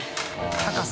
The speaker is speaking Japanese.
高さ。